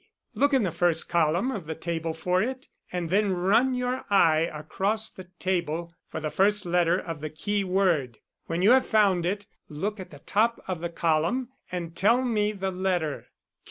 Look in the first column of the table for it, and then run your eye across the table for the first letter of the keyword. When you have found it, look at the top of the column and tell me the letter."